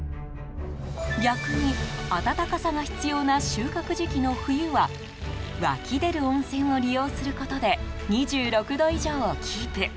逆に暖かさが必要な収穫時期の冬は湧き出る温泉を利用することで２６度以上をキープ。